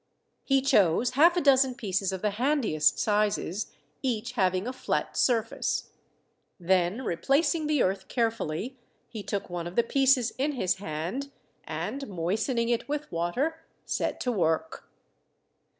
He chose half a dozen pieces of the handiest sizes, each having a flat surface. Then replacing the earth carefully, he took one of the pieces in his hand, and moistening it with water, set to work.